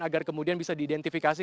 agar kemudian bisa diidentifikasi